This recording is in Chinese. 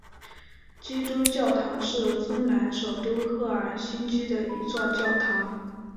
基督教堂是芬兰首都赫尔辛基的一座教堂。